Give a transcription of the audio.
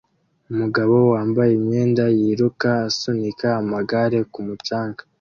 Umugabo wambaye imyenda yiruka asunika amagare ku mucanga